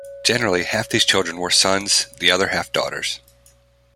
Generally half these children were sons, the other half daughters.